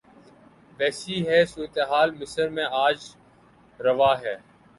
ویسی ہی صورتحال مصر میں آج روا ہے۔